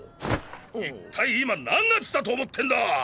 いったい今何月だと思ってんだ！